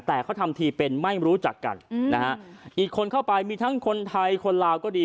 แต่เขาทำทีเป็นไม่รู้จักกันนะฮะอีกคนเข้าไปมีทั้งคนไทยคนลาวก็ดี